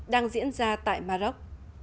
đang diễn ra tại maroc